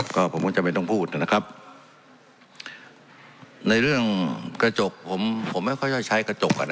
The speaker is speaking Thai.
ก็ผมก็จะไม่ต้องพูดนะครับในเรื่องกระจกผมผมไม่ค่อยจะใช้กระจกอ่ะนะ